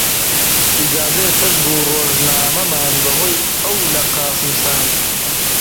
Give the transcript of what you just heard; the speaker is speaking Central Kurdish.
ئیجازەی حیزب و ڕۆژنامەمان بە هۆی ئەو لە قاسم ساند